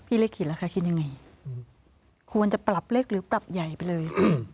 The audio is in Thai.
เล็กคิดแล้วคะคิดยังไงควรจะปรับเล็กหรือปรับใหญ่ไปเลย